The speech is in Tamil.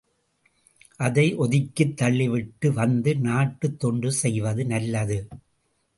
அதை ஒதுக்கித் தள்ளிவிட்டு வந்து, நாட்டுத் தொண்டு செய்வது நல்லது.